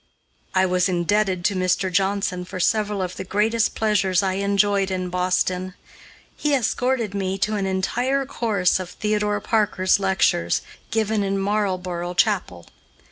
I was indebted to Mr. Johnson for several of the greatest pleasures I enjoyed in Boston. He escorted me to an entire course of Theodore Parker's lectures, given in Marlborough Chapel.